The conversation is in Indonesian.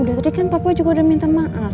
udah tadi kan papa juga udah minta maaf